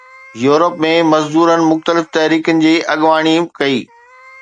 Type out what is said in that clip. Europe ۾ مزدورن مختلف تحريڪن جي اڳواڻي ڪئي